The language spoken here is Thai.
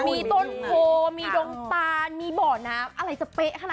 มีต้นโฟมีดงตามีเบาะน้ำอะไรจะเป๊ะขนาดนั้น